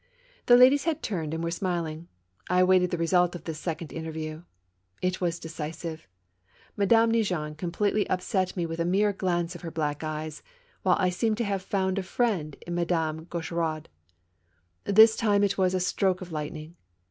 The ladies had turned and were smiling. I awaited the result of this second interview. It was decisive. Madame Neigeon completely upset me with a mere glance of her black eyes, while I seemed to have found a friend in Madame Gaucheraud. This time it was a stroke of lightning.